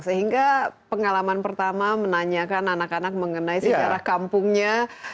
sehingga pengalaman pertama menanyakan anak anak mengenai sejarah kampungnya